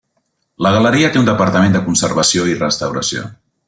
La galeria té un departament de conservació i restauració.